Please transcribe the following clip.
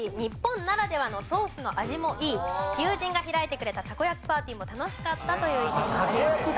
友人が開いてくれたたこ焼きパーティーも楽しかったという意見がありました。